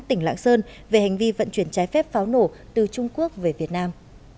tỉnh lạng sơn về hành vi vận chuyển trái phép pháo nổ từ trung quốc về việt nam